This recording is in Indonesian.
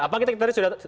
apakah kita tadi sudah